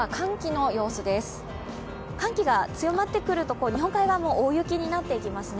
寒気が強まっているところ、日本海側も大雪になっていきますね。